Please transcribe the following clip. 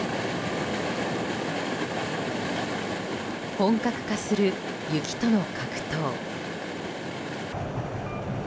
本格化する雪との格闘。